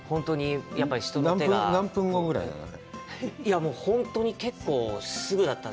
何分後ぐらいなの？